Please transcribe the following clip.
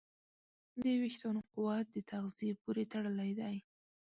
د وېښتیانو قوت د تغذیې پورې تړلی دی.